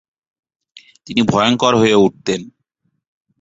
তিনি ভয়ঙ্কর হয়ে উঠতেন।